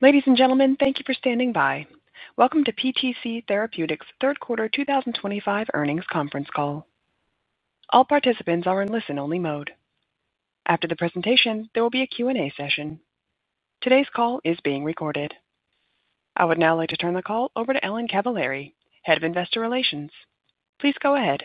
Ladies and gentlemen, thank you for standing by. Welcome to PTC Therapeutics' third quarter 2025 earnings conference call. All participants are in listen-only mode. After the presentation, there will be a Q&A session. Today's call is being recorded. I would now like to turn the call over to Ellen Cavaleri, Head of Investor Relations. Please go ahead.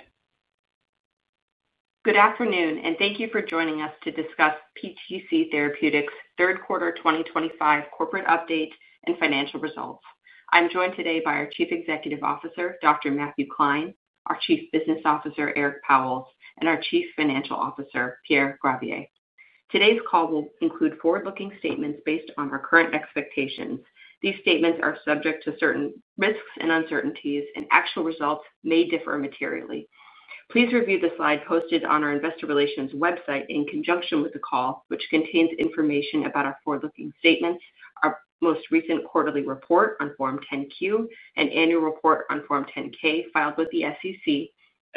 Good afternoon, and thank you for joining us to discuss PTC Therapeutics' third quarter 2025 corporate update and financial results. I'm joined today by our Chief Executive Officer, Dr. Matthew Klein, our Chief Business Officer, Eric Pauwels, and our Chief Financial Officer, Pierre Gravier. Today's call will include forward-looking statements based on our current expectations. These statements are subject to certain risks and uncertainties, and actual results may differ materially. Please review the slide posted on our Investor Relations website in conjunction with the call, which contains information about our forward-looking statements, our most recent quarterly report on Form 10-Q, an annual report on Form 10-K filed with the SEC,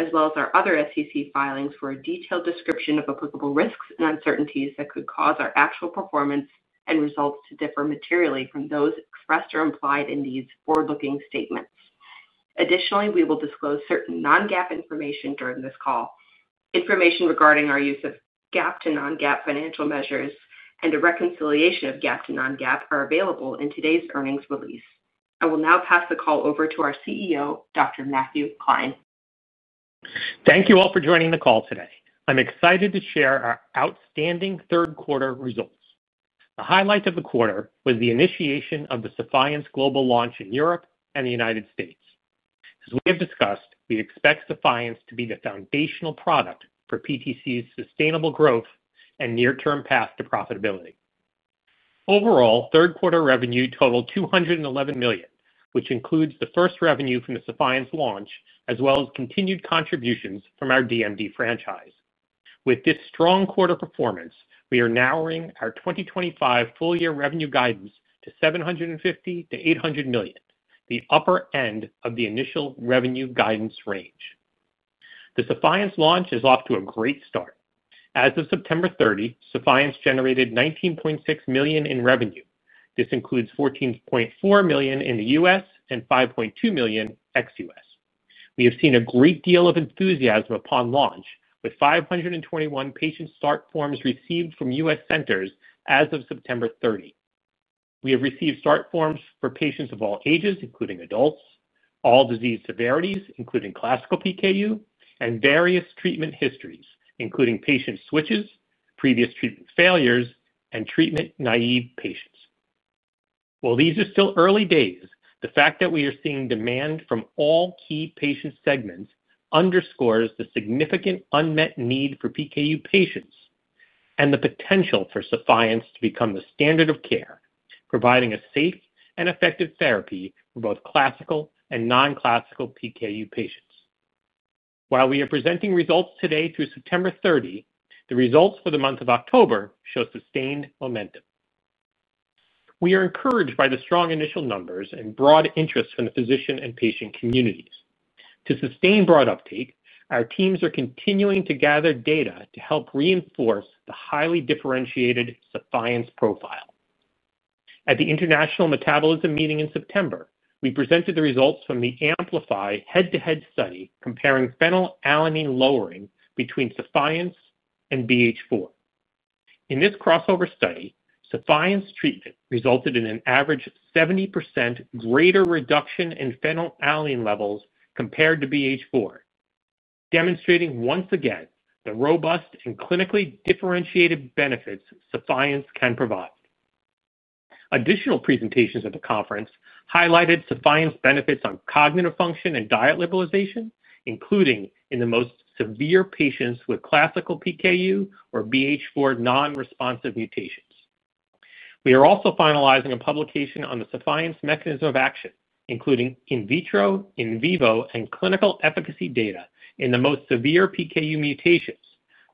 as well as our other SEC filings for a detailed description of applicable risks and uncertainties that could cause our actual performance and results to differ materially from those expressed or implied in these forward-looking statements. Additionally, we will disclose certain non-GAAP information during this call. Information regarding our use of GAAP to non-GAAP financial measures and a reconciliation of GAAP to non-GAAP are available in today's earnings release. I will now pass the call over to our CEO, Dr. Matthew Klein. Thank you all for joining the call today. I'm excited to share our outstanding third quarter results. The highlight of the quarter was the initiation of the Sephience Global launch in Europe and the United States. As we have discussed, we expect Sephience to be the foundational product for PTC's sustainable growth and near-term path to profitability. Overall, third quarter revenue totaled $211 million, which includes the first revenue from the Sephience launch as well as continued contributions from our DMD franchise. With this strong quarter performance, we are narrowing our 2025 full-year revenue guidance to $750-$800 million, the upper end of the initial revenue guidance range. The Sephience launch is off to a great start. As of September 30, Sephience generated $19.6 million in revenue. This includes $14.4 million in the US and $5.2 million ex-U.S. We have seen a great deal of enthusiasm upon launch, with 521 patient start forms received from U.S centers as of September 30. We have received start forms for patients of all ages, including adults, all disease severities, including classical PKU, and various treatment histories, including patient switches, previous treatment failures, and treatment naive patients. While these are still early days, the fact that we are seeing demand from all key patient segments underscores the significant unmet need for PKU patients and the potential for Sephience to become the standard of care, providing a safe and effective therapy for both classical and non-classical PKU patients. While we are presenting results today through September 30, the results for the month of October show sustained momentum. We are encouraged by the strong initial numbers and broad interest from the physician and patient communities. To sustain broad uptake, our teams are continuing to gather data to help reinforce the highly differentiated Sephience profile. At the International Metabolism Meeting in September, we presented the results from the AMPLIFY head-to-head study comparing phenylalanine lowering between Sephience and BH4. In this crossover study, Sephience treatment resulted in an average 70% greater reduction in phenylalanine levels compared to BH4. Demonstrating once again the robust and clinically differentiated benefits Sephience can provide. Additional presentations at the conference highlighted Sephience benefits on cognitive function and diet liberalization, including in the most severe patients with classical PKU or BH4 non-responsive mutations. We are also finalizing a publication on the Sephience mechanism of action, including in vitro, in vivo, and clinical efficacy data in the most severe PKU mutations,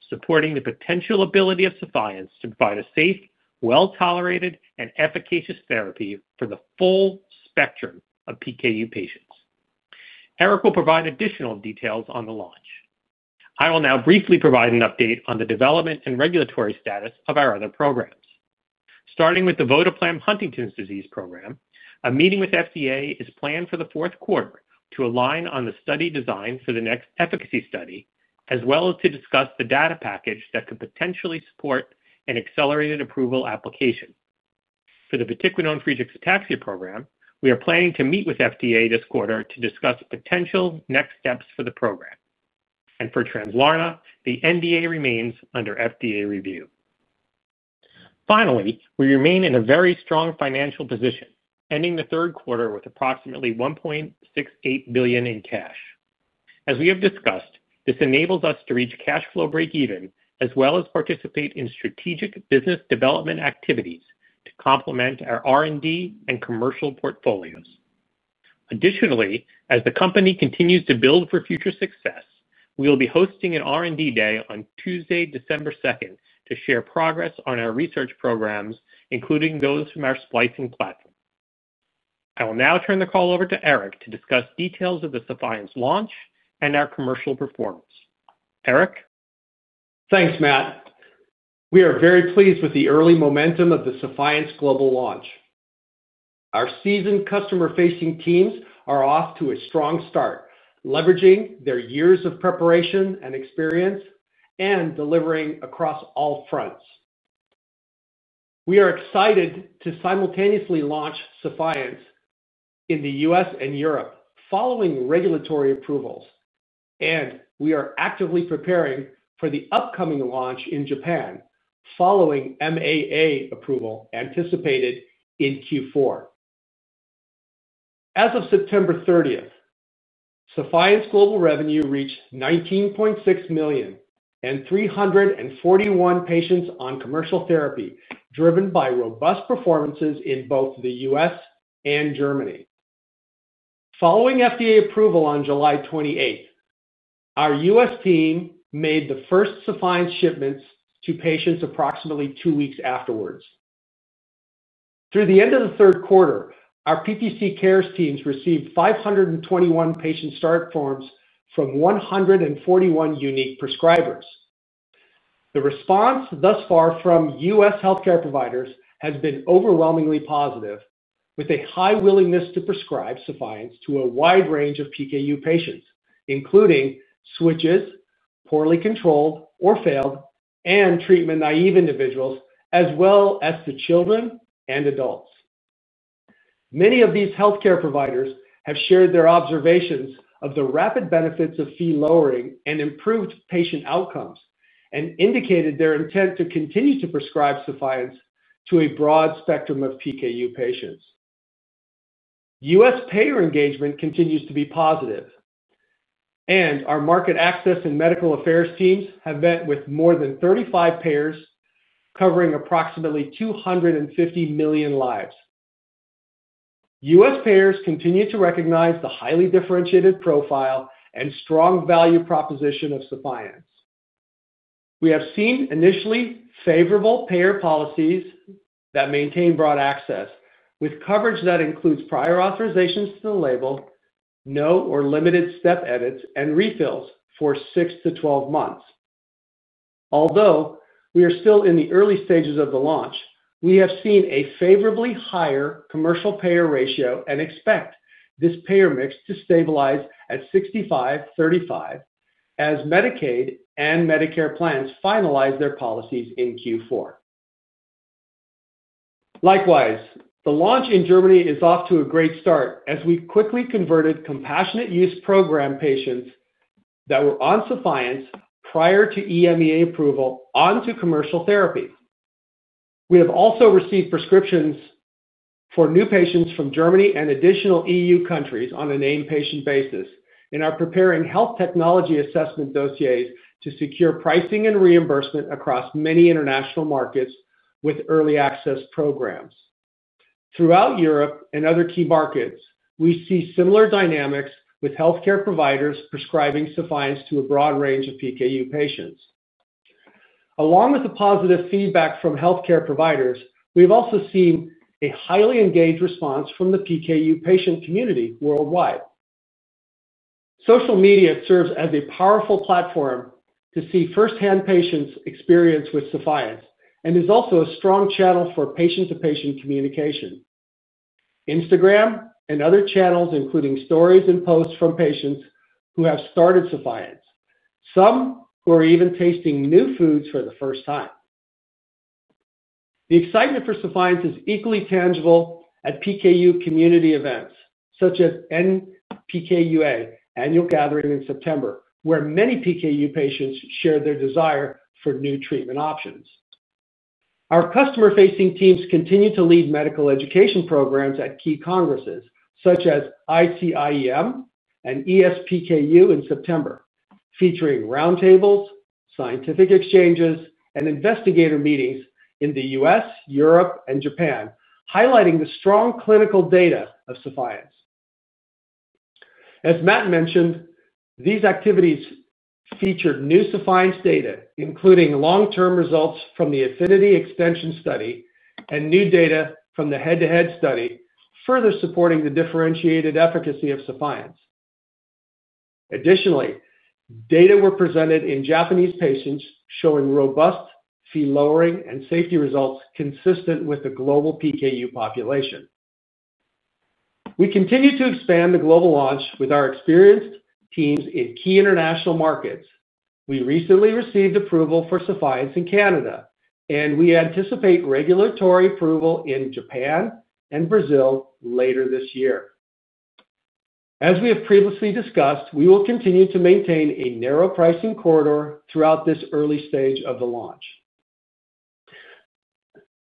supporting the potential ability of Sephience to provide a safe, well-tolerated, and efficacious therapy for the full spectrum of PKU patients. Eric will provide additional details on the launch. I will now briefly provide an update on the development and regulatory status of our other programs. Starting with our Huntington's Disease program, a meeting with FDA is planned for the fourth quarter to align on the study design for the next efficacy study, as well as to discuss the data package that could potentially support an accelerated approval application. For the Friedreich's ataxia program, we are planning to meet with FDA this quarter to discuss potential next steps for the program. And for Translarna, the NDA remains under FDA review. Finally, we remain in a very strong financial position, ending the third quarter with approximately $1.68 billion in cash. As we have discussed, this enables us to reach cash flow break-even as well as participate in strategic business development activities to complement our R&D and commercial portfolios. Additionally, as the company continues to build for future success, we will be hosting an R&D day on Tuesday, December 2nd, to share progress on our research programs, including those from our splicing platform. I will now turn the call over to Eric to discuss details of the Sephience launch and our commercial performance. Eric? Thanks, Matt. We are very pleased with the early momentum of the Sephience Global launch. Our seasoned customer-facing teams are off to a strong start, leveraging their years of preparation and experience and delivering across all fronts. We are excited to simultaneously launch Sephience in the U.S. and Europe following regulatory approvals, and we are actively preparing for the upcoming launch in Japan following MAA approval anticipated in Q4. As of September 30, Sephience Global revenue reached $19.6 million. And 341 patients on commercial therapy driven by robust performances in both the U.S. and Germany. Following FDA approval on July 28, our U.S. team made the first Sephience shipments to patients approximately two weeks afterwards. Through the end of the third quarter, our PTC Cares teams received 521 patient start forms from 141 unique prescribers. The response thus far from U.S. healthcare providers has been overwhelmingly positive, with a high willingness to prescribe Sephience to a wide range of PKU patients, including switches, poorly controlled or failed, and treatment naive individuals, as well as to children and adults. Many of these healthcare providers have shared their observations of the rapid benefits of Phe lowering and improved patient outcomes and indicated their intent to continue to prescribe Sephience to a broad spectrum of PKU patients. U.S. payer engagement continues to be positive. And our market access and medical affairs teams have met with more than 35 payers covering approximately 250 million lives. U.S. payers continue to recognize the highly differentiated profile and strong value proposition of Sephience. We have seen initially favorable payer policies that maintain broad access, with coverage that includes prior authorizations to the label, no or limited step edits, and refills for 6-12 months. Although we are still in the early stages of the launch, we have seen a favorably higher commercial payer ratio and expect this payer mix to stabilize at 65/35 as Medicaid and Medicare plans finalize their policies in Q4. Likewise, the launch in Germany is off to a great start as we quickly converted compassionate use program patients that were on Sephience prior to EMEA approval onto commercial therapy. We have also received prescriptions for new patients from Germany and additional EU countries on a named patient basis and are preparing health technology assessment dossiers to secure pricing and reimbursement across many international markets with early access programs. Throughout Europe and other key markets, we see similar dynamics with healthcare providers prescribing Sephience to a broad range of PKU patients. Along with the positive feedback from healthcare providers, we've also seen a highly engaged response from the PKU patient community worldwide. Social media serves as a powerful platform to see firsthand patients' experience with Sephience and is also a strong channel for patient-to-patient communication. Instagram and other channels, including stories and posts from patients who have started Sephience, some who are even tasting new foods for the first time. The excitement for Sephience is equally tangible at PKU community events such as NPKUA annual gathering in September, where many PKU patients shared their desire for new treatment options. Our customer-facing teams continue to lead medical education programs at key congresses such as ICIEM and ESPKU in September, featuring roundtables, scientific exchanges, and investigator meetings in the U.S., Europe, and Japan, highlighting the strong clinical data of Sephience. As Matt mentioned, these activities featured new Sephience data, including long-term results from the AFFINITY extension study and new data from the head-to-head study, further supporting the differentiated efficacy of Sephience. Additionally, data were presented in Japanese patients showing robust Phe lowering and safety results consistent with the global PKU population. We continue to expand the global launch with our experienced teams in key international markets. We recently received approval for Sephience in Canada, and we anticipate regulatory approval in Japan and Brazil later this year. As we have previously discussed, we will continue to maintain a narrow pricing corridor throughout this early stage of the launch.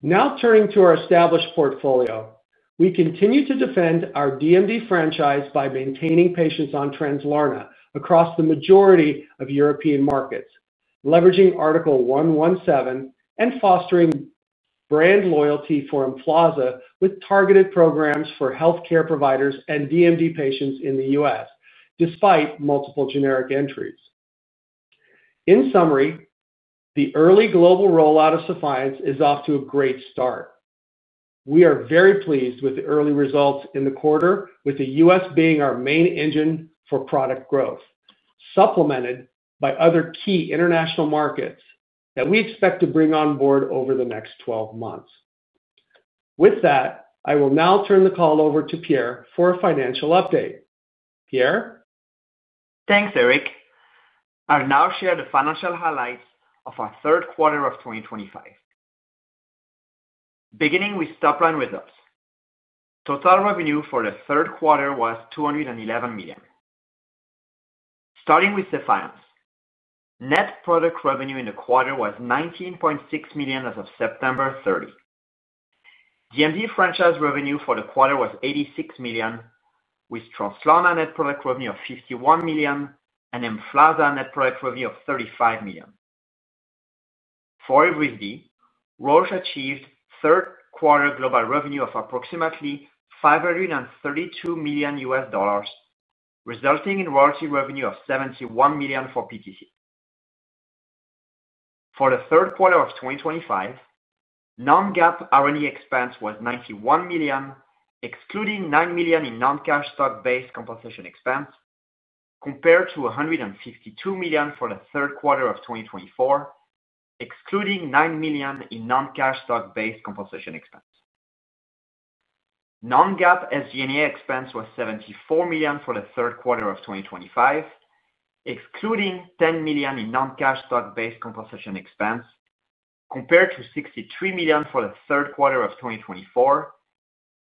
Now turning to our established portfolio, we continue to defend our DMD franchise by maintaining patients on Translarna across the majority of European markets, leveraging Article 117 and fostering brand loyalty for Emflaza with targeted programs for healthcare providers and DMD patients in the U.S., despite multiple generic entries. In summary, the early global rollout of Sephience is off to a great start. We are very pleased with the early results in the quarter, with the U.S. being our main engine for product growth, supplemented by other key international markets that we expect to bring on board over the next 12 months. With that, I will now turn the call over to Pierre for a financial update. Pierre? Thanks, Eric. I'll now share the financial highlights of our third quarter of 2025. Beginning with top-line results. Total revenue for the third quarter was $211 million. Starting with Sephience. Net product revenue in the quarter was $19.6 million as of September 30. DMD franchise revenue for the quarter was $86 million, with Translarna net product revenue of $51 million and Emflaza net product revenue of $35 million. For Evrysdi, Roche achieved third-quarter global revenue of approximately $532 million. Resulting in royalty revenue of $71 million for PTC. For the third quarter of 2025. Non-GAAP R&D expense was $91 million, excluding $9 million in non-cash stock-based compensation expense, compared to $152 million for the third quarter of 2024. Excluding $9 million in non-cash stock-based compensation expense. Non-GAAP SG&A expense was $74 million for the third quarter of 2025. Excluding $10 million in non-cash stock-based compensation expense, compared to $63 million for the third quarter of 2024.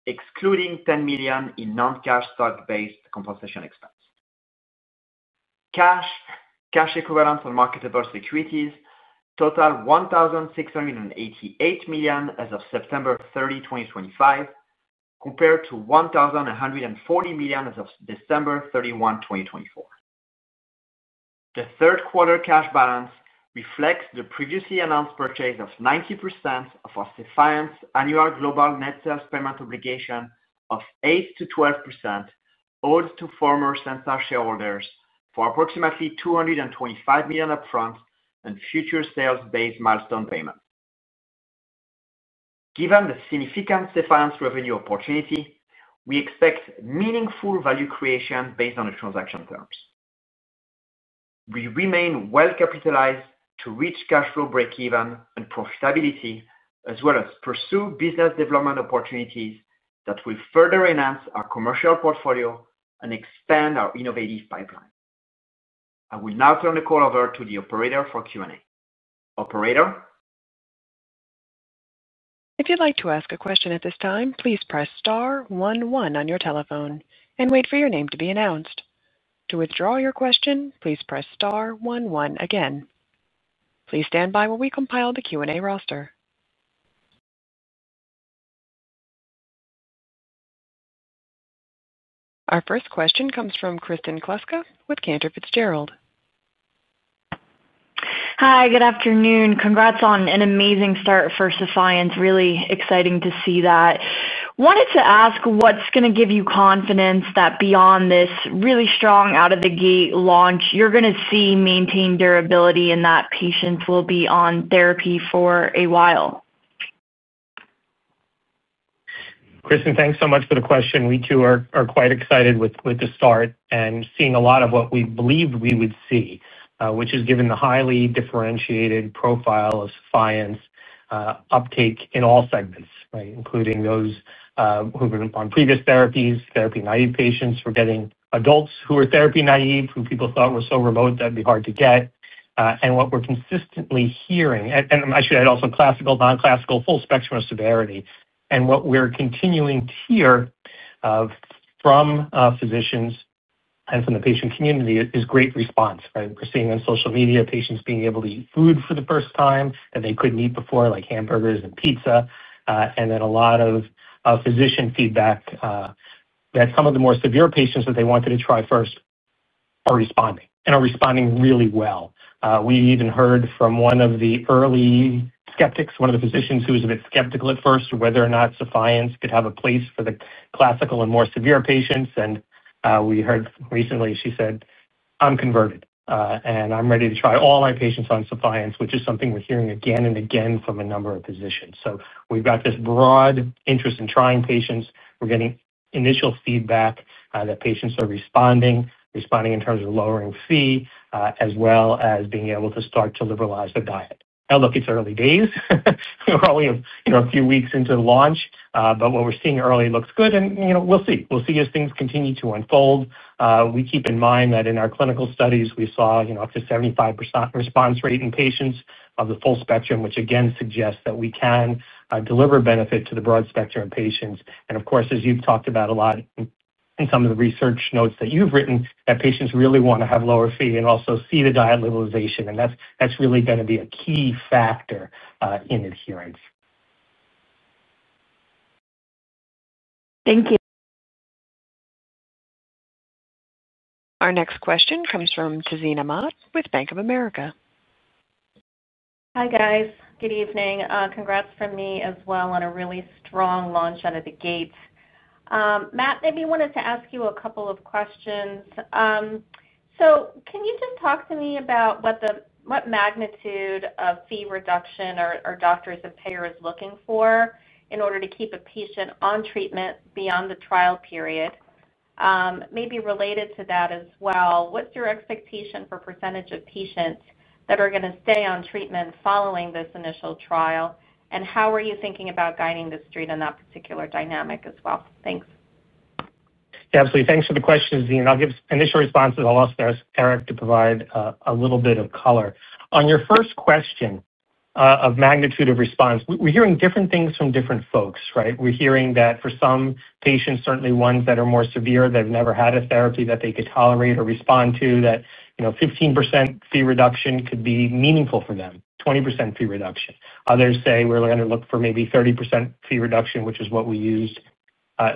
Excluding $10 million in non-cash stock-based compensation expense. Cash, cash equivalents, and marketable securities totaled $1,688 million as of September 30, 2025. Compared to $1,140 million as of December 31, 2024. The third-quarter cash balance reflects the previously announced purchase of 90% of Sephience's annual global net sales payment obligation of 8%-12%. Owed to former Sobi shareholders for approximately $225 million upfront and future sales-based milestone payment. Given the significant Sephience revenue opportunity, we expect meaningful value creation based on the transaction terms. We remain well-capitalized to reach cash flow break-even and profitability, as well as pursue business development opportunities that will further enhance our commercial portfolio and expand our innovative pipeline. I will now turn the call over to the operator for Q&A. Operator? If you'd like to ask a question at this time, please press star one one on your telephone and wait for your name to be announced. To withdraw your question, please press star one one again. Please stand by while we compile the Q&A roster. Our first question comes from Kristen Kluska Cantor Fitzgerald. Hi, good afternoon. Congrats on an amazing start for Sephience. Really exciting to see that. Wanted to ask, what's going to give you confidence that beyond this really strong out-of-the-gate launch, you're going to see maintained durability and that patients will be on therapy for a while? Kristen, thanks so much for the question. We too are quite excited with the start and seeing a lot of what we believed we would see, which is given the highly differentiated profile of Sephience, uptake in all segments, including those who've been on previous therapies, therapy-naive patients. We're getting adults who are therapy-naive, who people thought were so remote that'd be hard to get, and what we're consistently hearing, and I should add also classical, non-classical, full spectrum of severity, and what we're continuing to hear from physicians and from the patient community is great response. We're seeing on social media patients being able to eat food for the first time that they couldn't eat before, like hamburgers and pizza, and then a lot of physician feedback that some of the more severe patients that they wanted to try first are responding and are responding really well. We even heard from one of the early skeptics, one of the physicians who was a bit skeptical at first, whether or not Sephience could have a place for the classical and more severe patients, and we heard recently, she said, "I'm converted and I'm ready to try all my patients on Sephience," which is something we're hearing again and again from a number of physicians. So we've got this broad interest in trying patients. We're getting initial feedback that patients are responding, responding in terms of lowering Phe, as well as being able to start to liberalize the diet. Now, look, it's early days. We're only a few weeks into the launch, but what we're seeing early looks good, and we'll see. We'll see as things continue to unfold. We keep in mind that in our clinical studies, we saw up to 75% response rate in patients of the full spectrum, which again suggests that we can deliver benefit to the broad spectrum of patients, and of course, as you've talked about a lot in some of the research notes that you've written, that patients really want to have lower Phe and also see the diet liberalization, and that's really going to be a key factor in adherence. Thank you. Our next question comes from Tazeen Ahmad with Bank of America. Hi, guys. Good evening. Congrats from me as well on a really strong launch out of the gates. Matt, I wanted to ask you a couple of questions. So can you just talk to me about what magnitude of fee reduction are doctors and payers looking for in order to keep a patient on treatment beyond the trial period? Maybe related to that as well, what's your expectation for percentage of patients that are going to stay on treatment following this initial trial? And how are you thinking about guiding the street in that particular dynamic as well? Thanks. Absolutely. Thanks for the questions, Tazeen. I'll give initial responses. I'll ask Eric to provide a little bit of color. On your first question of magnitude of response, we're hearing different things from different folks. We're hearing that for some patients, certainly ones that are more severe, that have never had a therapy that they could tolerate or respond to, that 15% Phe reduction could be meaningful for them, 20% Phe reduction. Others say we're going to look for maybe 30% Phe reduction, which is what we used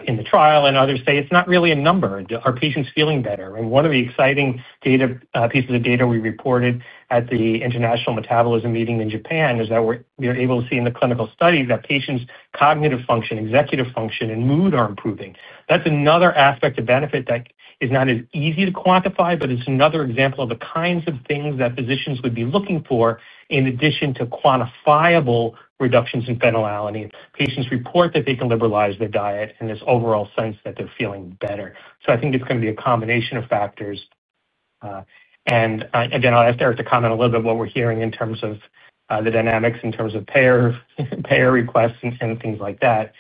in the trial, and others say it's not really a number. Are patients feeling better? And one of the exciting pieces of data we reported at the International Metabolism Meeting in Japan is that we were able to see in the clinical study that patients' cognitive function, executive function, and mood are improving. That's another aspect of benefit that is not as easy to quantify, but it's another example of the kinds of things that physicians would be looking for in addition to quantifiable reductions in phenylalanine. Patients report that they can liberalize their diet and this overall sense that they're feeling better. So I think it's going to be a combination of factors. And again, I'll ask Eric to comment a little bit on what we're hearing in terms of the dynamics, in terms of payer requests and things like that.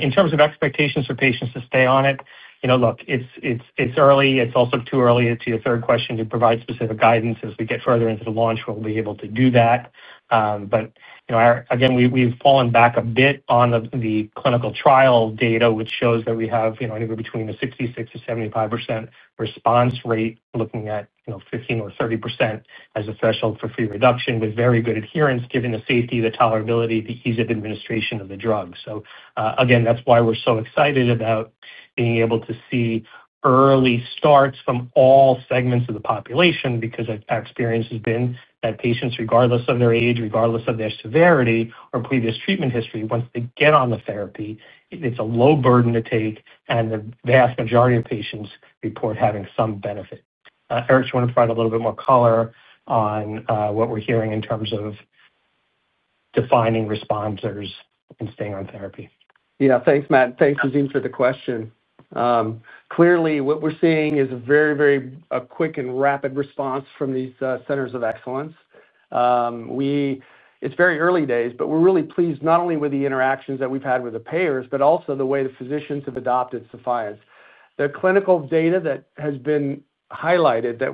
In terms of expectations for patients to stay on it, look, it's early. It's also too early to your third question to provide specific guidance. As we get further into the launch, we'll be able to do that. But again, we've fallen back a bit on the clinical trial data, which shows that we have anywhere between 66% and 75% response rate, looking at 15% or 30% as a threshold for Phe reduction with very good adherence, given the safety, the tolerability, the ease of administration of the drug. So again, that's why we're so excited about being able to see early starts from all segments of the population, because our experience has been that patients, regardless of their age, regardless of their severity or previous treatment history, once they get on the therapy, it's a low burden to take, and the vast majority of patients report having some benefit. Eric, do you want to provide a little bit more color on what we're hearing in terms of defining responders and staying on therapy? Yeah, thanks, Matt. Thanks, Tazeen, for the question. Clearly, what we're seeing is a very, very quick and rapid response from these centers of excellence. It's very early days, but we're really pleased not only with the interactions that we've had with the payers, but also the way the physicians have adopted Sephience. The clinical data that has been highlighted that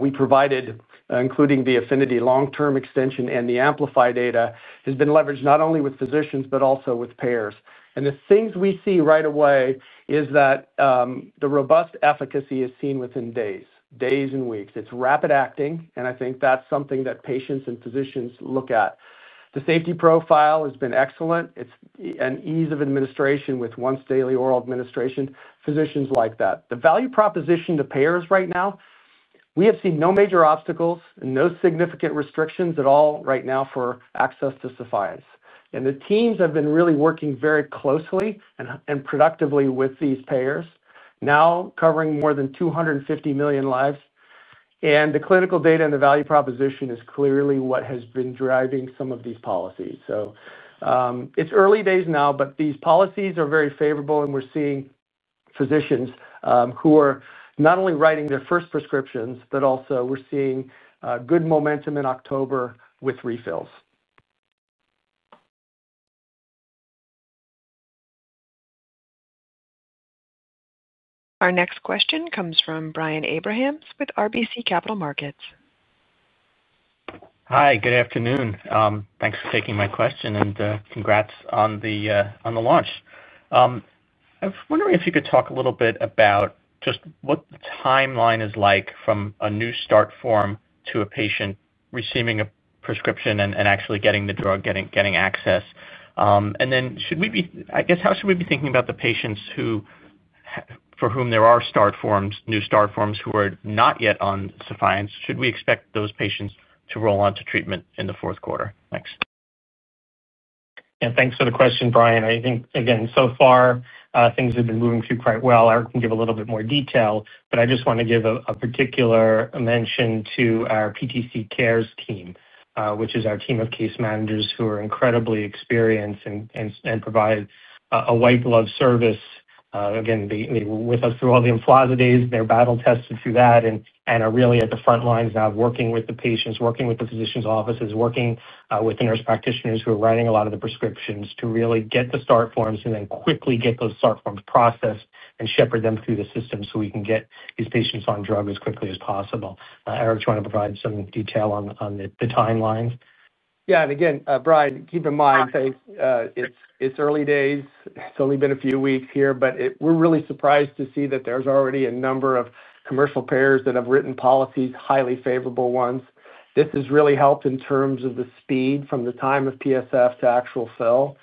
we provided, including the AFFINITY long-term extension and the AMPLIFY data, has been leveraged not only with physicians, but also with payers. And the things we see right away is that the robust efficacy is seen within days, days and weeks. It's rapid acting, and I think that's something that patients and physicians look at. The safety profile has been excellent. It's an ease of administration with once-daily oral administration. Physicians like that. The value proposition to payers right now, we have seen no major obstacles and no significant restrictions at all right now for access to Sephience. And the teams have been really working very closely and productively with these payers, now covering more than 250 million lives. And the clinical data and the value proposition is clearly what has been driving some of these policies. So, it's early days now, but these policies are very favorable, and we're seeing physicians who are not only writing their first prescriptions, but also we're seeing good momentum in October with refills. Our next question comes from Brian Abrahams with RBC Capital Markets. Hi, good afternoon. Thanks for taking my question and congrats on the launch. I was wondering if you could talk a little bit about just what the timeline is like from a new start form to a patient receiving a prescription and actually getting the drug, getting access. And then should we be, I guess, how should we be thinking about the patients. For whom there are new start forms who are not yet on Sephience? Should we expect those patients to roll on to treatment in the fourth quarter? Thanks. Yeah, thanks for the question, Brian. I think, again, so far, things have been moving through quite well. Eric can give a little bit more detail, but I just want to give a particular mention to our PTC Cares team, which is our team of case managers who are incredibly experienced and provide a white glove service. Again, they were with us through all the AMPLIFY days, and they're battle tested through that and are really at the front lines now of working with the patients, working with the physicians' offices, working with the nurse practitioners who are writing a lot of the prescriptions to really get the start forms and then quickly get those start forms processed and shepherd them through the system so we can get these patients on drug as quickly as possible. Eric's trying to provide some detail on the timeline. Yeah, and again, Brian, keep in mind. It's early days. It's only been a few weeks here, but we're really surprised to see that there's already a number of commercial payers that have written policies, highly favorable ones. This has really helped in terms of the speed from the time of PSF to actual fill.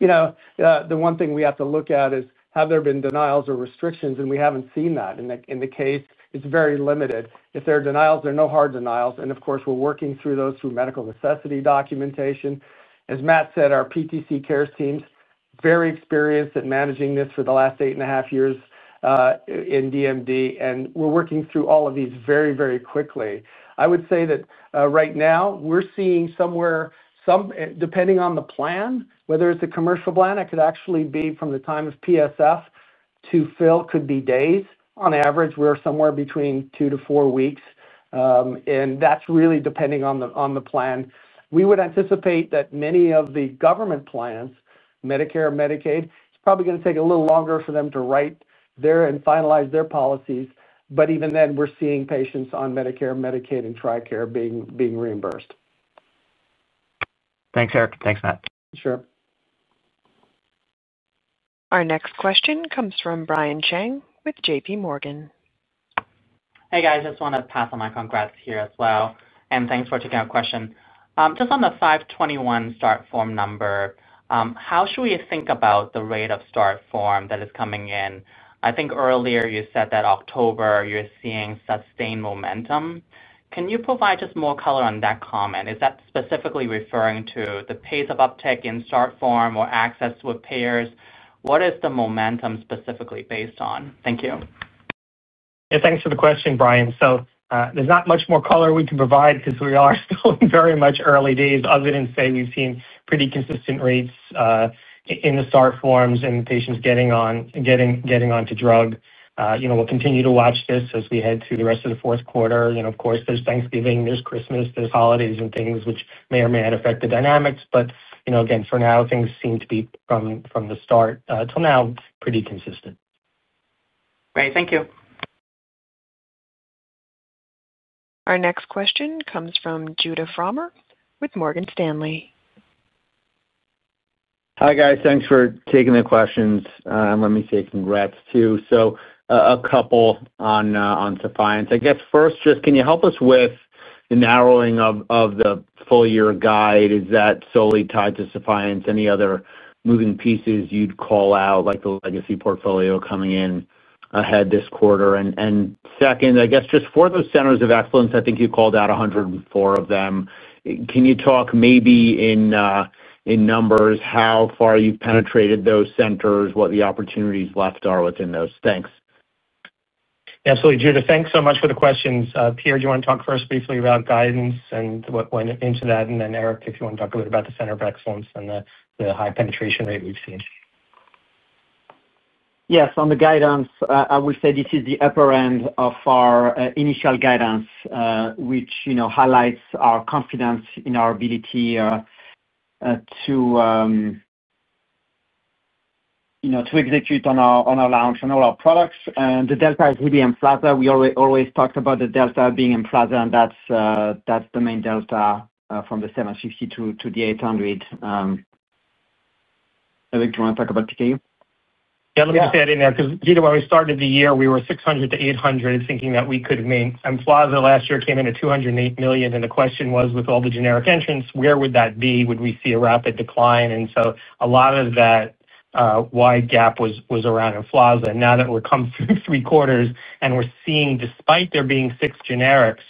The one thing we have to look at is, have there been denials or restrictions, and we haven't seen that. In the case, it's very limited. If there are denials, there are no hard denials. And of course, we're working through those through medical necessity documentation. As Matt said, our PTC Cares team's very experienced at managing this for the last eight and a half years in DMD, and we're working through all of these very, very quickly. I would say that right now, we're seeing somewhere, depending on the plan, whether it's a commercial plan, it could actually be from the time of PSF to fill could be days. On average, we're somewhere between two to four weeks. And that's really depending on the plan. We would anticipate that many of the government plans, Medicare and Medicaid, it's probably going to take a little longer for them to write their and finalize their policies. But even then, we're seeing patients on Medicare, Medicaid, and Tricare being reimbursed. Thanks, Eric. Thanks, Matt. Sure. Our next question comes from Brian Chang with JPMorgan. Hey, guys. I just want to pass on my congrats here as well. And thanks for taking our question. Just on the Vatoplam start form number. How should we think about the rate of start form that is coming in? I think earlier you said that October you're seeing sustained momentum. Can you provide just more color on that comment? Is that specifically referring to the pace of uptake in start form or access with payers? What is the momentum specifically based on? Thank you. Yeah, thanks for the question, Brian. So there's not much more color we can provide because we are still in very much early days, other than say we've seen pretty consistent rates in the start forms and patients getting on to drug. We'll continue to watch this as we head to the rest of the fourth quarter. Of course, there's Thanksgiving, there's Christmas, there's holidays and things which may or may not affect the dynamics. But again, for now, things seem to be from the start till now pretty consistent. Great. Thank you. Our next question comes from Judah Frommer with Morgan Stanley. Hi, guys. Thanks for taking the questions. And let me say congrats too. So a couple on Sephience. I guess first, just can you help us with the narrowing of the full-year guide? Is that solely tied to Sephience? Any other moving pieces you'd call out, like the legacy portfolio coming in ahead this quarter? And second, I guess just for those centers of excellence, I think you called out 104 of them. Can you talk maybe in numbers how far you've penetrated those centers, what the opportunities left are within those? Thanks. Absolutely. Judah, thanks so much for the questions. Peter, do you want to talk first briefly about guidance and what went into that? And then Eric, if you want to talk a little bit about the center of excellence and the high penetration rate we've seen. Yes. On the guidance, I would say this is the upper end of our initial guidance, which highlights our confidence in our ability to execute on our launch and all our products, and the delta is really AMPLIFY. We always talked about the delta being AMPLIFY, and that's the main delta from the 750 to the 800. Eric, do you want to talk about PKU? Yeah, let me just add in there. Because you know when we started the year, we were $600 million-$800 million thinking that we could have made Emflaza. Last year came in at $208 million. And the question was, with all the generic entrants, where would that be? Would we see a rapid decline? And so a lot of that wide gap was around Emflaza. And now that we've come through three quarters and we're seeing, despite there being six generics,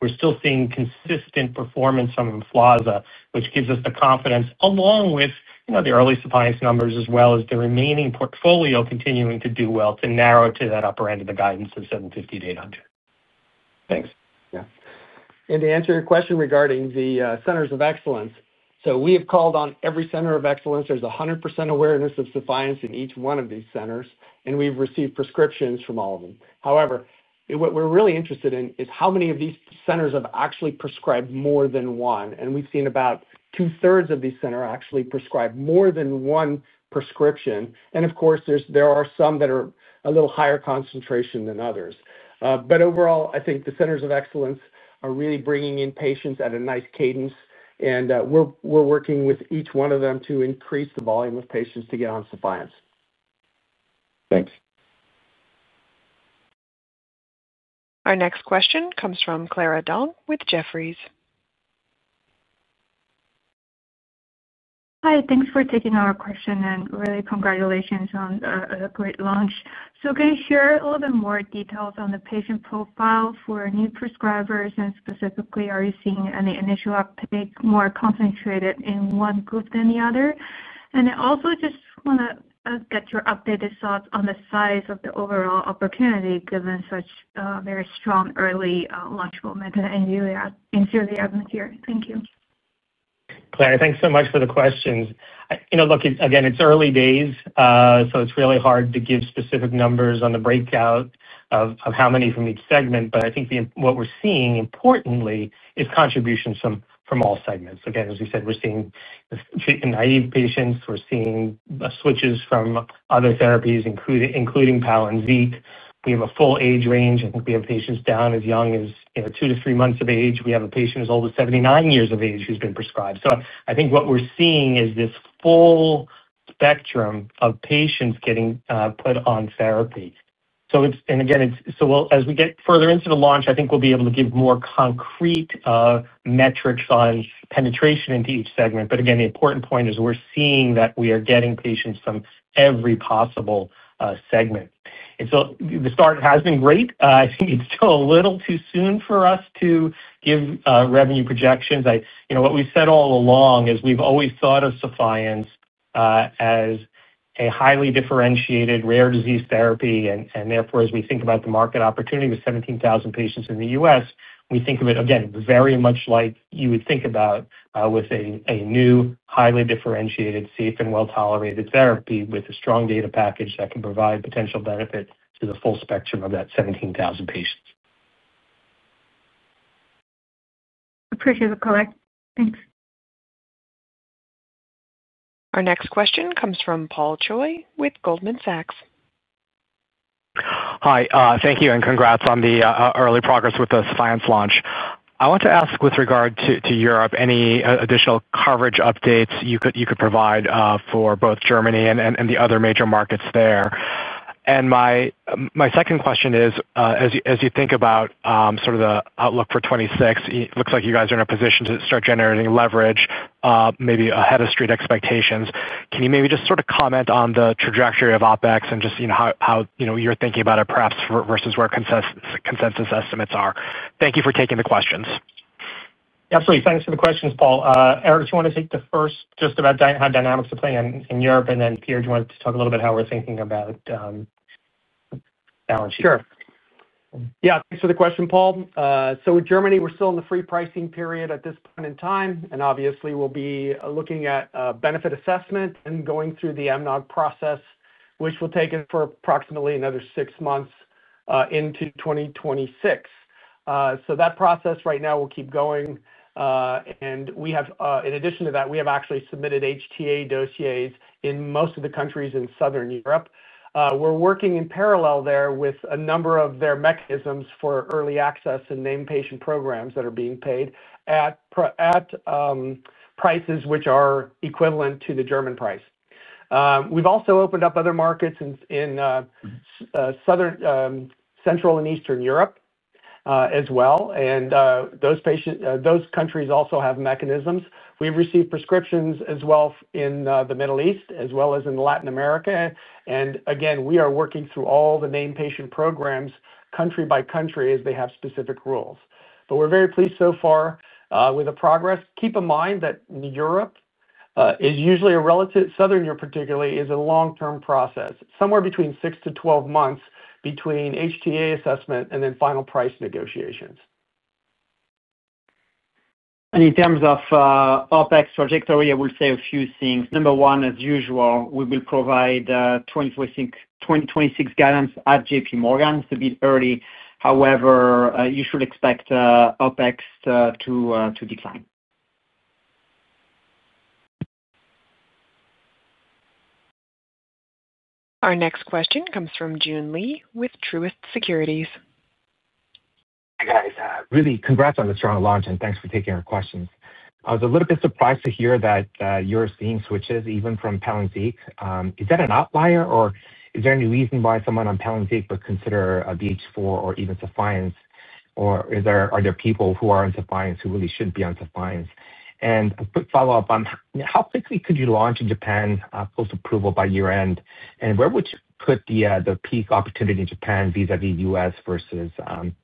we're still seeing consistent performance from Emflaza, which gives us the confidence along with the early Sephience numbers as well as the remaining portfolio continuing to do well to narrow to that upper end of the guidance of $750 million-$800 million. Thanks. Yeah, and to answer your question regarding the centers of excellence, so we have called on every center of excellence. There's 100% awareness of Sephience in each one of these centers, and we've received prescriptions from all of them. However, what we're really interested in is how many of these centers have actually prescribed more than one, and we've seen about two-thirds of these centers actually prescribe more than one prescription, and of course, there are some that are a little higher concentration than others, but overall, I think the centers of excellence are really bringing in patients at a nice cadence, and we're working with each one of them to increase the volume of patients to get on Sephience. Thanks. Our next question comes from Clara Dong with Jefferies. Hi. Thanks for taking our question and really congratulations on a great launch. So can you share a little bit more details on the patient profile for new prescribers and specifically, are you seeing any initial uptake more concentrated in one group than the other? And I also just want to get your updated thoughts on the size of the overall opportunity given such a very strong early launch momentum and newly added material. Thank you. Clara, thanks so much for the questions. Look, again, it's early days, so it's really hard to give specific numbers on the breakout of how many from each segment. But I think what we're seeing importantly is contributions from all segments. Again, as we said, we're seeing naive patients. We're seeing switches from other therapies, including Palynziq. We have a full age range. I think we have patients down as young as two to three months of age. We have a patient as old as 79 years of age who's been prescribed. So I think what we're seeing is this full spectrum of patients getting put on therapy. And again, as we get further into the launch, I think we'll be able to give more concrete metrics on penetration into each segment. But again, the important point is we're seeing that we are getting patients from every possible segment. And so the start has been great. I think it's still a little too soon for us to give revenue projections. What we've said all along is we've always thought of Sephience as a highly differentiated rare disease therapy. And therefore, as we think about the market opportunity with 17,000 patients in the U.S., we think of it, again, very much like you would think about with a new, highly differentiated, safe and well-tolerated therapy with a strong data package that can provide potential benefit to the full spectrum of that 17,000 patients. Appreciate the call. Thanks. Our next question comes from Paul Choi with Goldman Sachs. Hi. Thank you. And congrats on the early progress with the Sephience launch. I want to ask with regard to Europe, any additional coverage updates you could provide for both Germany and the other major markets there? And my second question is, as you think about sort of the outlook for 2026, it looks like you guys are in a position to start generating leverage, maybe ahead of street expectations. Can you maybe just sort of comment on the trajectory of OpEx and just how you're thinking about it perhaps versus where consensus estimates are? Thank you for taking the questions. Absolutely. Thanks for the questions, Paul. Eric, do you want to take the first just about how dynamics are playing in Europe? And then Pierre, do you want to talk a little bit about how we're thinking about balance sheet? Sure. Yeah. Thanks for the question, Paul. So with Germany, we're still in the free pricing period at this point in time. And obviously, we'll be looking at benefit assessment and going through the MNOG process, which will take us for approximately another six months into 2026. So that process right now will keep going. And in addition to that, we have actually submitted HTA dossiers in most of the countries in southern Europe. We're working in parallel there with a number of their mechanisms for early access and name patient programs that are being paid at prices which are equivalent to the German price. We've also opened up other markets in Central and Eastern Europe as well. And those countries also have mechanisms. We've received prescriptions as well in the Middle East as well as in Latin America. And again, we are working through all the name patient programs country by country as they have specific rules. But we're very pleased so far with the progress. Keep in mind that Europe is usually relatively, southern Europe particularly, is a long-term process, somewhere between 6-12 months between HTA assessment and then final price negotiations. In terms of OpEx trajectory, I will say a few things. Number one, as usual, we will provide 2026 guidance at JPMorgan. It's a bit early. However, you should expect OpEx to decline. Our next question comes from Joon Lee with Truist Securities. Hey, guys. Really, congrats on the strong launch, and thanks for taking our questions. I was a little bit surprised to hear that you're seeing switches even from Palynziq. Is that an outlier, or is there any reason why someone on Palynziq would consider a BH4 or even Sephience? Or are there people who are on Sephience who really shouldn't be on Sephience? And a quick follow-up on how quickly could you launch in Japan post-approval by year-end? And where would you put the peak opportunity in Japan vis-à-vis U.S versus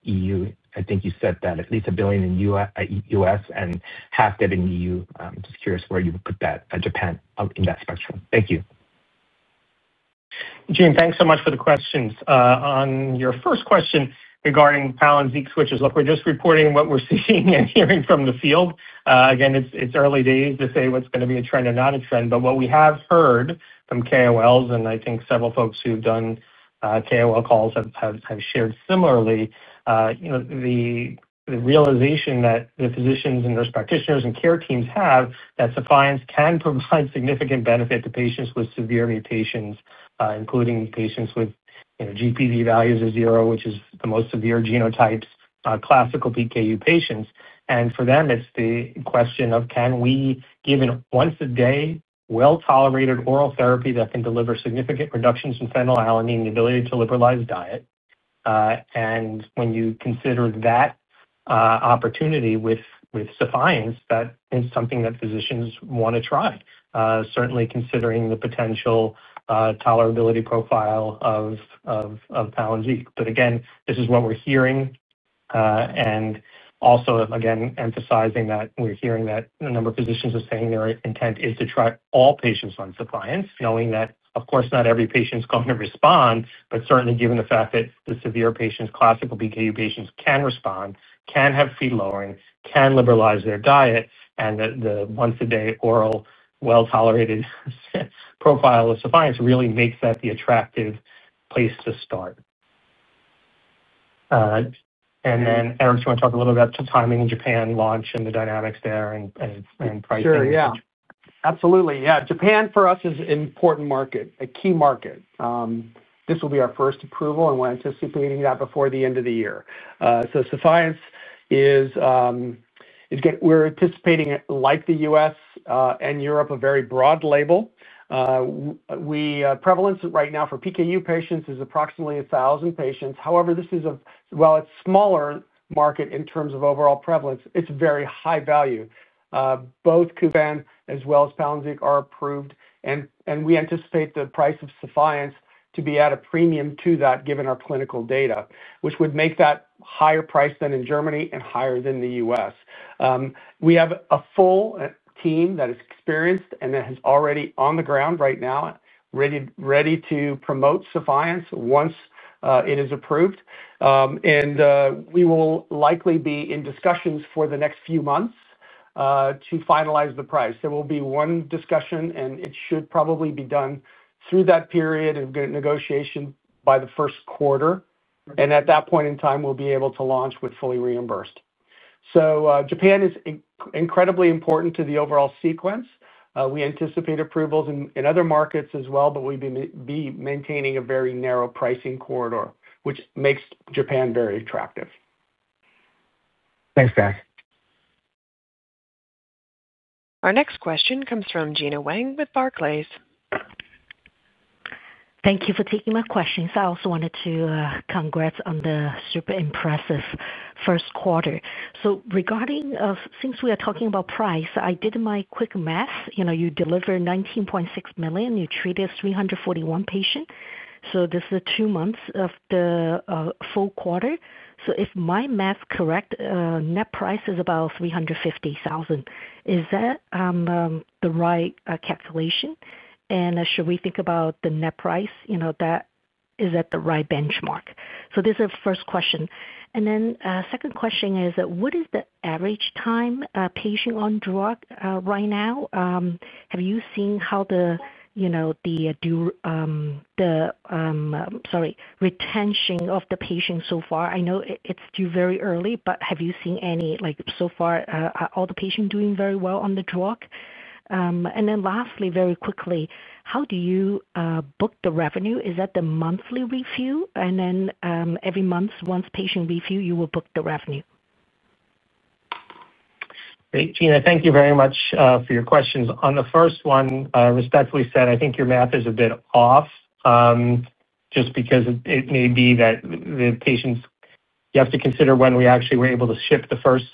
EU? I think you said that at least a billion in U.S. and half that in EU. Just curious where you would put that Japan in that spectrum. Thank you. Joon, thanks so much for the questions. On your first question regarding Palynziq switches, look, we're just reporting what we're seeing and hearing from the field. Again, it's early days to say what's going to be a trend or not a trend. But what we have heard from KOLs and I think several folks who've done KOL calls have shared similarly. The realization that the physicians and nurse practitioners and care teams have that Sephience can provide significant benefit to patients with severe mutations, including patients with Phe values of zero, which is the most severe genotypes, classical PKU patients. And for them, it's the question of, can we give a once-a-day well-tolerated oral therapy that can deliver significant reductions in phenylalanine, the ability to liberalize diet? And when you consider that opportunity with Sephience, that is something that physicians want to try, certainly considering the potential tolerability profile of Palynziq. But again, this is what we're hearing. And also, again, emphasizing that we're hearing that a number of physicians are saying their intent is to try all patients on Sephience, knowing that, of course, not every patient's going to respond, but certainly given the fact that the severe patients, classical PKU patients, can respond, can have Phe lowering, can liberalize their diet, and the once-a-day oral well-tolerated profile of Sephience really makes that the attractive place to start. And then, Eric, do you want to talk a little bit about the timing in Japan, launch, and the dynamics there and pricing? Sure. Yeah. Absolutely. Yeah. Japan, for us, is an important market, a key market. This will be our first approval, and we're anticipating that before the end of the year. So Sephience is. We're anticipating, like the U.S. and Europe, a very broad label. Prevalence right now for PKU patients is approximately 1,000 patients. However, while it's a smaller market in terms of overall prevalence, it's very high value. Both Japan as well as Palynziq are approved. And we anticipate the price of Sephience to be at a premium to that, given our clinical data, which would make that higher price than in Germany and higher than the U.S. We have a full team that is experienced and that is already on the ground right now, ready to promote Sephience once it is approved. And we will likely be in discussions for the next few months to finalize the price. There will be one discussion, and it should probably be done through that period of negotiation by the first quarter. And at that point in time, we'll be able to launch with fully reimbursed. So Japan is incredibly important to the overall success. We anticipate approvals in other markets as well, but we'll be maintaining a very narrow pricing corridor, which makes Japan very attractive. Thanks, guys. Our next question comes from Gena Wang with Barclays. Thank you for taking my questions. I also wanted to congratulate on the super impressive first quarter. So regarding since we are talking about price, I did my quick math. You deliver $19.6 million. You treated 341 patients. So this is two months of the full quarter. So if my math is correct, net price is about $350,000. Is that the right calculation? And should we think about the net price? Is that the right benchmark? So this is the first question. And then second question is, what is the average time patient on drug right now? Have you seen how the retention of the patients so far? I know it's still very early, but have you seen any so far all the patients doing very well on the drug? And then lastly, very quickly, how do you book the revenue? Is that the monthly revenue? And then every month, once patient review, you will book the revenue? Gena, thank you very much for your questions. On the first one, respectfully said, I think your math is a bit off. Just because it may be that the patients you have to consider when we actually were able to ship the first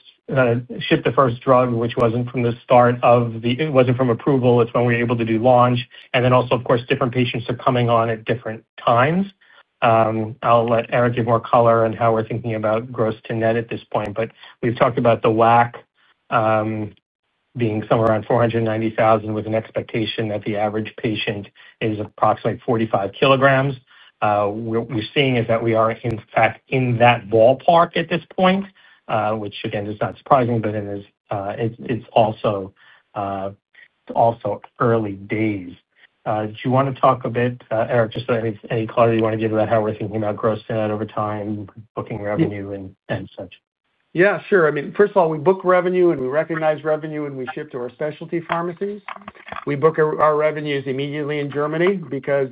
drug, which wasn't from the start of the it wasn't from approval. It's when we were able to do launch. And then also, of course, different patients are coming on at different times. I'll let Eric give more color on how we're thinking about gross to net at this point. But we've talked about the WAC being somewhere around $490,000 with an expectation that the average patient is approximately 45 kg. What we're seeing is that we are, in fact, in that ballpark at this point. Which, again, is not surprising, but it's also early days. Do you want to talk a bit, Eric, just any clarity you want to give about how we're thinking about gross to net over time, booking revenue, and such? Yeah, sure. I mean, first of all, we book revenue, and we recognize revenue, and we ship to our specialty pharmacies. We book our revenues immediately in Germany because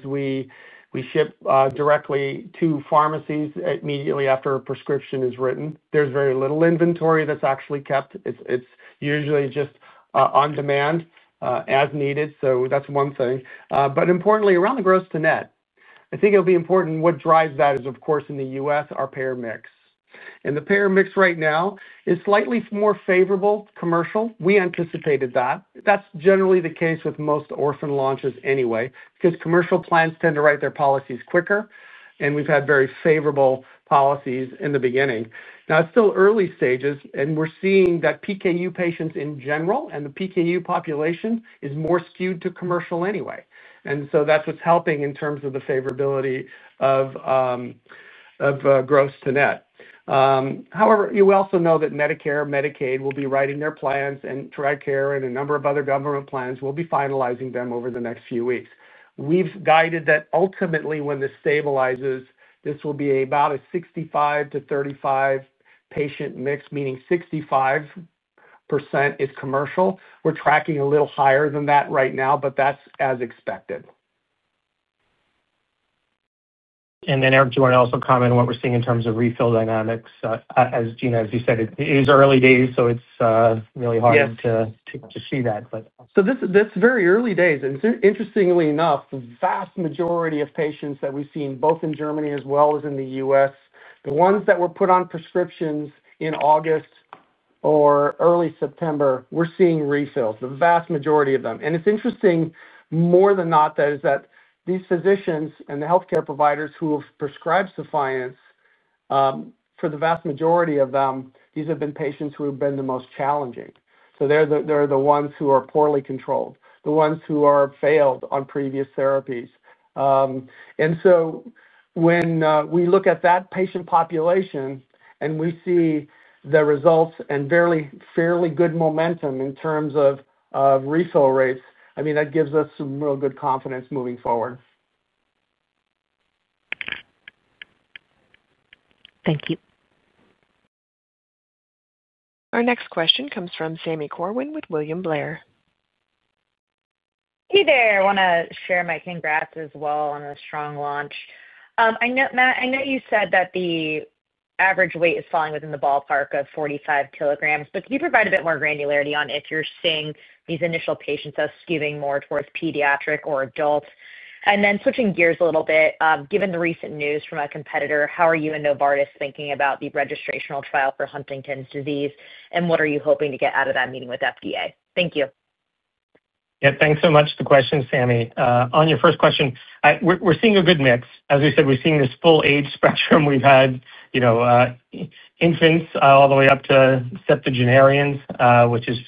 we ship directly to pharmacies immediately after a prescription is written. There's very little inventory that's actually kept. It's usually just on demand, as needed. So that's one thing. But importantly, around the gross to net, I think it'll be important what drives that is, of course, in the U.S., our payer mix. And the payer mix right now is slightly more favorable commercial. We anticipated that. That's generally the case with most orphan launches anyway, because commercial plans tend to write their policies quicker, and we've had very favorable policies in the beginning. Now, it's still early stages, and we're seeing that PKU patients in general and the PKU population is more skewed to commercial anyway. And so that's what's helping in terms of the favorability of gross to net. However, you also know that Medicare, Medicaid will be writing their plans, and TRICARE and a number of other government plans will be finalizing them over the next few weeks. We've guided that ultimately, when this stabilizes, this will be about a 65%-35% patient mix, meaning 65% is commercial. We're tracking a little higher than that right now, but that's as expected. And then, Eric, do you want to also comment on what we're seeing in terms of refill dynamics? As Gena said, it is early days, so it's really hard to see that, but. So that's very early days. Interestingly enough, the vast majority of patients that we've seen, both in Germany as well as in the U.S., the ones that were put on prescriptions in August or early September, we're seeing refills, the vast majority of them. And it's interesting, more than not, that these physicians and the healthcare providers who have prescribed Sephience, for the vast majority of them, these have been patients who have been the most challenging. So they're the ones who are poorly controlled, the ones who have failed on previous therapies. When we look at that patient population and we see the results and fairly good momentum in terms of refill rates, I mean, that gives us some real good confidence moving forward. Thank you. Our next question comes from Sami Corwin with William Blair. Hey there. I want to share my congrats as well on a strong launch. I know you said that the average weight is falling within the ballpark of 45 kg, but can you provide a bit more granularity on if you're seeing these initial patients as skewing more towards pediatric or adult? And then switching gears a little bit, given the recent news from a competitor, how are you and Novartis thinking about the registrational trial for Huntington's disease? And what are you hoping to get out of that meeting with FDA? Thank you. Yeah, thanks so much for the question, Sami. On your first question, we're seeing a good mix. As we said, we're seeing this full age spectrum. We've had infants all the way up to septuagenarians, which is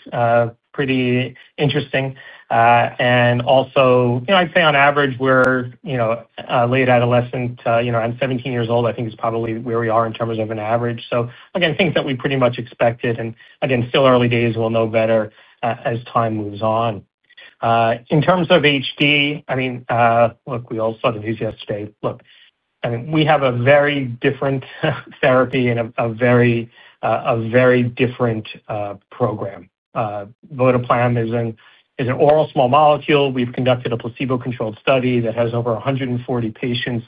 pretty interesting. And also, I'd say on average, we're late adolescent. I'm 17 years old. I think it's probably where we are in terms of an average. So again, things that we pretty much expected. And again, still early days. We'll know better as time moves on. In terms of HD, I mean, look, we all saw the news yesterday. Look, I mean, we have a very different therapy and a very different program. Vatoplam is an oral small molecule. We've conducted a placebo-controlled study that has over 140 patients.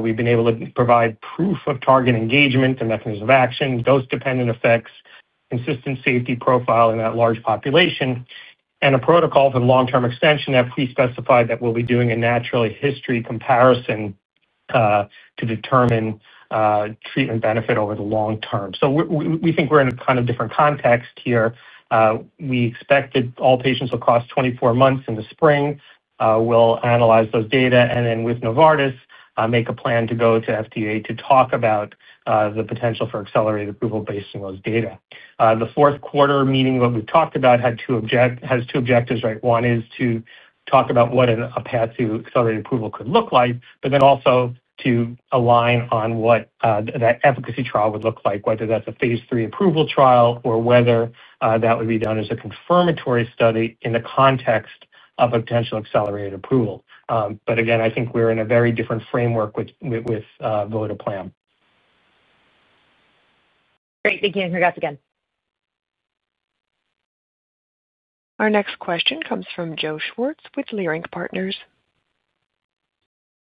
We've been able to provide proof of target engagement and mechanism of action, dose-dependent effects, consistent safety profile in that large population, and a protocol for long-term extension that we specified that we'll be doing a natural history comparison to determine treatment benefit over the long term. So we think we're in a kind of different context here. We expect that all patients will cross 24 months in the spring. We'll analyze those data, and then with Novartis, make a plan to go to FDA to talk about the potential for accelerated approval based on those data. The fourth quarter meeting, what we've talked about, has two objectives, right? One is to talk about what a path to accelerated approval could look like, but then also to align on what that efficacy trial would look like, whether that's a phase III approval trial or whether that would be done as a confirmatory study in the context of a potential accelerated approval. But again, I think we're in a very different framework with votoplam. Great. Thank you. Congrats again. Our next question comes from Joe Schwartz with Leerink Partners.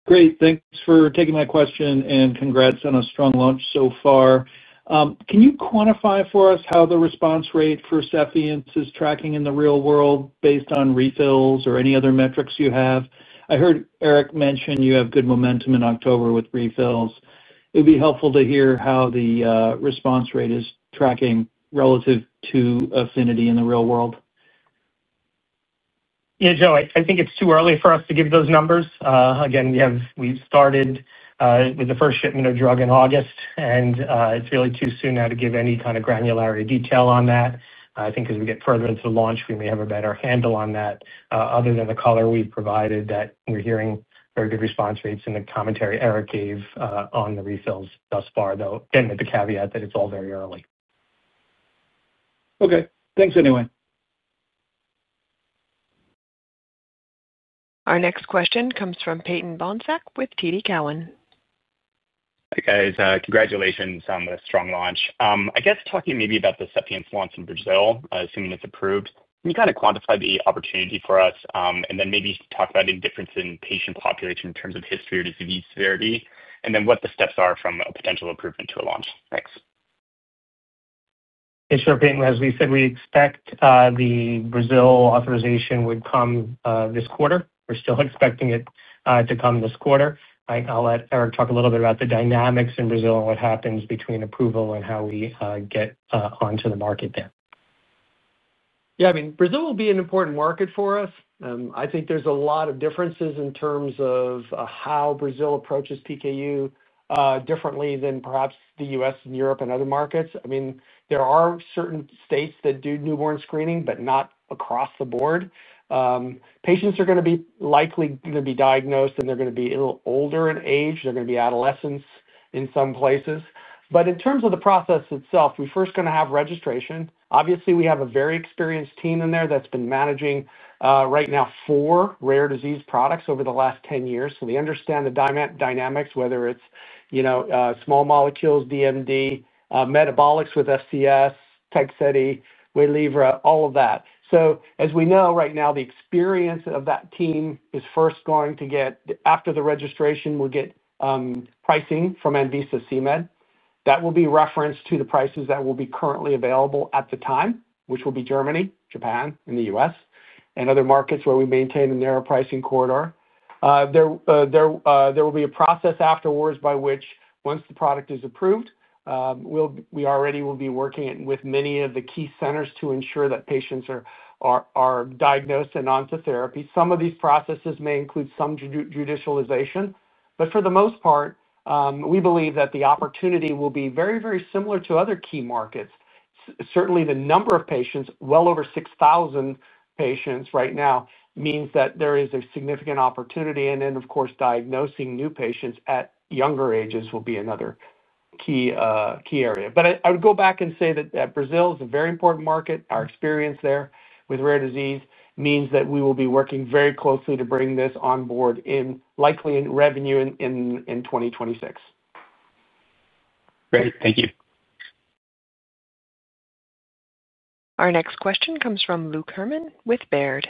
Great. Thanks for taking my question and congrats on a strong launch so far. Can you quantify for us how the response rate for Sephience is tracking in the real world based on refills or any other metrics you have? I heard Eric mention you have good momentum in October with refills. It would be helpful to hear how the response rate is tracking relative to efficacy in the real world. Yeah, Joe, I think it's too early for us to give those numbers. Again, we've started with the first shipment of drug in August, and it's really too soon now to give any kind of granularity detail on that. I think as we get further into the launch, we may have a better handle on that. Other than the color we've provided, that we're hearing very good response rates in the commentary Eric gave on the refills thus far, though, again, with the caveat that it's all very early. Okay. Thanks anyway. Our next question comes from Peyton Bohnsack with TD Cowen. Hi, guys. Congratulations on the strong launch. I guess talking maybe about the Sephience launch in Brazil, assuming it's approved, can you kind of quantify the opportunity for us and then maybe talk about any difference in patient population in terms of history or disease severity and then what the steps are from a potential approval to a launch? Thanks. Yeah, sure, Peyton. As we said, we expect the Brazil authorization would come this quarter. We're still expecting it to come this quarter. I'll let Eric talk a little bit about the dynamics in Brazil and what happens between approval and how we get onto the market there. Yeah, I mean, Brazil will be an important market for us. I think there's a lot of differences in terms of how Brazil approaches PKU, differently than perhaps the U.S. and Europe and other markets. I mean, there are certain states that do newborn screening, but not across the board. Patients are going to be likely going to be diagnosed, and they're going to be a little older in age. They're going to be adolescents in some places. But in terms of the process itself, we're first going to have registration. Obviously, we have a very experienced team in there that's been managing right now four rare disease products over the last 10 years. So they understand the dynamics, whether it's small molecules, DMD, metabolics with SCS, Tecceti, Wellivra, all of that. So as we know right now, the experience of that team is first going to get after the registration, we'll get pricing from ANVISA CMED. That will be referenced to the prices that will be currently available at the time, which will be Germany, Japan, and the U.S., and other markets where we maintain a narrow pricing corridor. There will be a process afterwards by which, once the product is approved, we already will be working with many of the key centers to ensure that patients are diagnosed and onto therapy. Some of these processes may include some judicialization. But for the most part, we believe that the opportunity will be very, very similar to other key markets. Certainly, the number of patients, well over 6,000 patients right now, means that there is a significant opportunity. And then, of course, diagnosing new patients at younger ages will be another key area. But I would go back and say that Brazil is a very important market. Our experience there with rare disease means that we will be working very closely to bring this on board in likely revenue in 2026. Great. Thank you. Our next question comes from Luke Herrmann with Baird.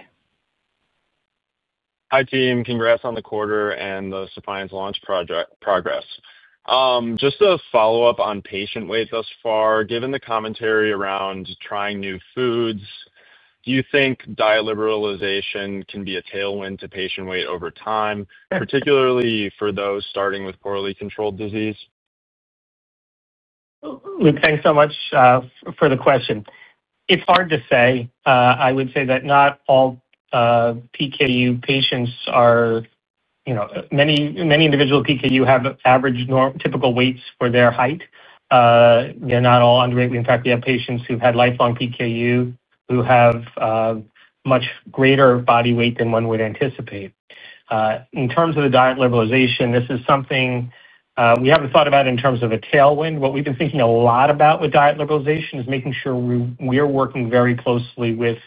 Hi, team. Congrats on the quarter and the Sephience launch progress. Just a follow-up on patient weight thus far, given the commentary around trying new foods, do you think diet liberalization can be a tailwind to patient weight over time, particularly for those starting with poorly controlled disease? Luke, thanks so much for the question. It's hard to say. I would say that not all PKU patients are many individuals with PKU have average typical weights for their height. They're not all underweight. In fact, we have patients who've had lifelong PKU who have much greater body weight than one would anticipate. In terms of the diet liberalization, this is something we haven't thought about in terms of a tailwind. What we've been thinking a lot about with diet liberalization is making sure we're working very closely with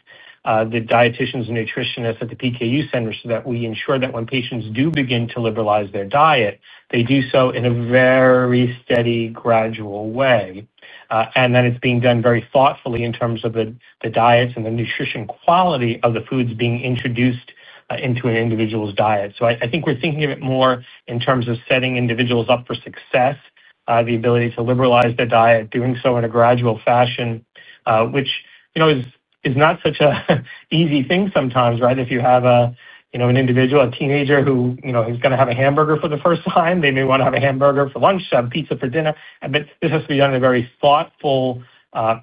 the dietitians and nutritionists at the PKU centers so that we ensure that when patients do begin to liberalize their diet, they do so in a very steady, gradual way. And that it's being done very thoughtfully in terms of the diets and the nutrition quality of the foods being introduced into an individual's diet. So I think we're thinking of it more in terms of setting individuals up for success. The ability to liberalize their diet, doing so in a gradual fashion, which is not such an easy thing sometimes, right? If you have an individual, a teenager who is going to have a hamburger for the first time, they may want to have a hamburger for lunch, have pizza for dinner. But this has to be done in a very thoughtful,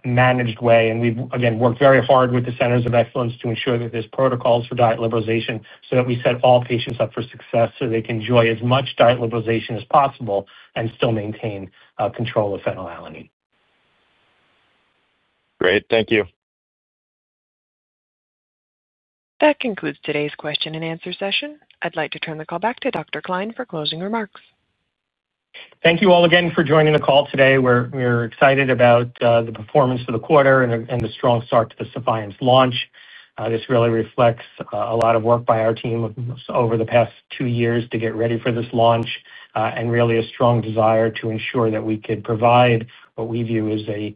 managed way. And we've, again, worked very hard with the Centers of Excellence to ensure that there's protocols for diet liberalization so that we set all patients up for success so they can enjoy as much diet liberalization as possible and still maintain control of Phe. Great. Thank you. That concludes today's question-and-answer session. I'd like to turn the call back to Dr. Klein for closing remarks. Thank you all again for joining the call today. We're excited about the performance of the quarter and the strong start to the Sephience launch. This really reflects a lot of work by our team over the past two years to get ready for this launch and really a strong desire to ensure that we could provide what we view as a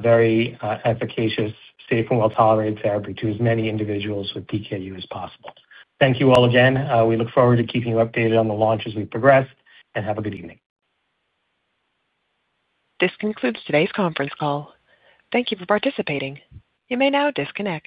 very efficacious, safe, and well-tolerated therapy to as many individuals with PKU as possible. Thank you all again. We look forward to keeping you updated on the launch as we progress and have a good evening. This concludes today's conference call. Thank you for participating. You may now disconnect.